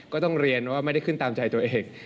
ก็ต้องเรียนว่าไม่ได้ขึ้นตามใจตัวเอง